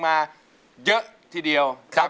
ครับมีแฟนเขาเรียกร้อง